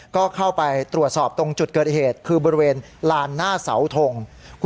ก็เข้าไปตรวจสอบตรงจุดเกิดเหตุคือบริเวณลานหน้าเสาทง